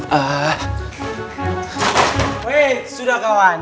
wait sudah kawan